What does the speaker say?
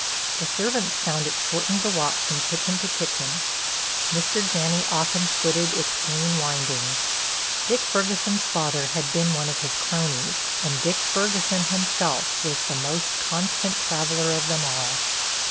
The servants found it shortened the walk from kitchen to kitchen; Mr. Janney often footed its green windings; Dick Ferguson's father had been one of his cronies, and Dick Ferguson himself was the most constant traveler of them all.